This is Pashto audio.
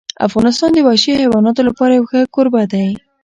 افغانستان د وحشي حیواناتو لپاره یو ښه کوربه دی.